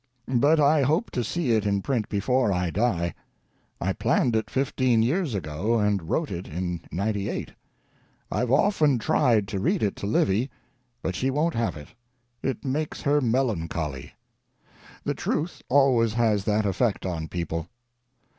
But I hope to see it in print before I die. I planned it 1 5 years ago, and wrote it in '98. I've often tried to read it to Livy, but she won't have it; it makes her melancholy. The truth always has that effect on people.